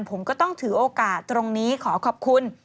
ผมก็ต้องถือโอกาสตรงนี้ขอขอบคุณ